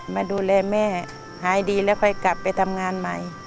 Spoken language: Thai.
มาดูแลแม่หายดีแล้วกลับไปทำงานมา